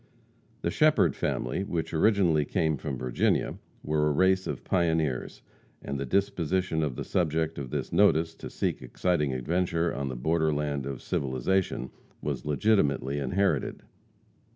The Shepherd family, which originally came from Virginia, were a race of pioneers, and the disposition of the subject of this notice to seek exciting adventure on the borderland of civilization was legitimately inherited.